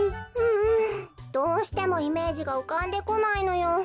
うんどうしてもイメージがうかんでこないのよ。